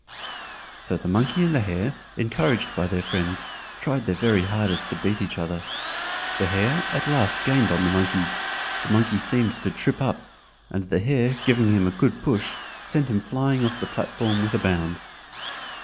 So the monkey and the hare, encouraged by their friends, tried their very hardest to beat each other. The hare at last gained on the monkey. The monkey seemed to trip up, and the hare giving him a good push sent him flying off the platform with a bound.